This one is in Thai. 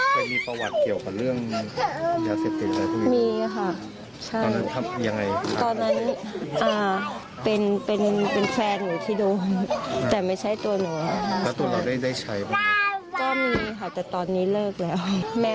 ใช่เพราะว่าลูกเราก็รักถ้าเอาไปให้คนอื่นเลี้ยงเราก็ไม่รู้ว่าเค้าจะเลี้ยงแบบไหน